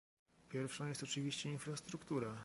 Pierwszą jest oczywiście infrastruktura